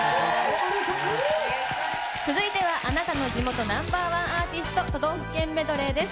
続いては、あなたの地元Ｎｏ．１アーティスト都道府県メドレーです。